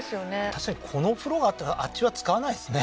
確かに、この風呂があったら、あっちは使わないですね。